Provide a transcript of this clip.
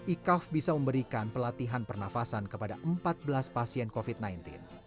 ikaf bisa memberikan pelatihan pernafasan kepada empat belas pasien yang berada di dalam ruang ini